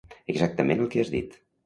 Exactament el que has dit.